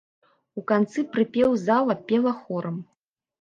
У канцы прыпеў зала пела хорам.